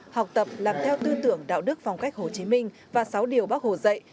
học tập làm theo tư tưởng đạo đức phong cách hồ chí minh và sáu điều bác hồ dạy